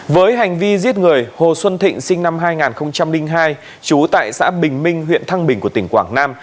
với hành vi giết người hồ xuân thịnh sinh năm hai nghìn hai trú tại xã bình minh huyện thăng bình của tỉnh quảng nam